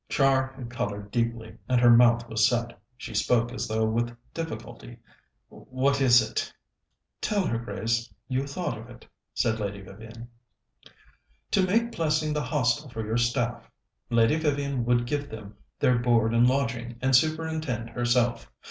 Char had coloured deeply and her mouth was set. She spoke as though with difficulty. "What is it?" "Tell her, Grace. You thought of it," said Lady Vivian. "To make Plessing the Hostel for your staff. Lady Vivian would give them their board and lodging, and superintend herself.